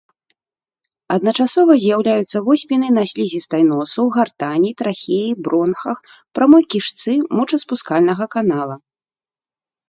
Адначасова з'яўляюцца воспіны на слізістай носу, гартані, трахеі, бронхах, прамой кішцы, мочаспускальнага канала.